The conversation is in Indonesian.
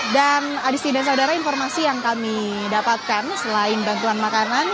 dan adisti dan saudara informasi yang kami dapatkan selain bantuan makanan